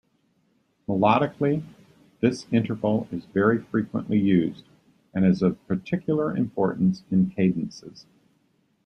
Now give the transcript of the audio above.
Melodically, this interval is very frequently used, and is of particular importance in cadences.